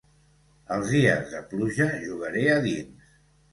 Els dies de pluja jugaré a dins.